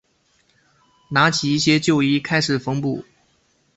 拿起一些旧衣开始缝补